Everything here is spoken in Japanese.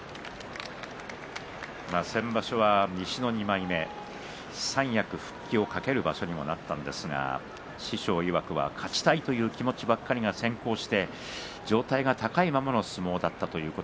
先場所は西の２枚目三役復帰を懸ける場所になったんですけれども師匠いわく勝ちたいという気持ちが先行して上体が高いままの相撲になってしまった。